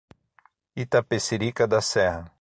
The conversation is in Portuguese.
Itapecerica da Serra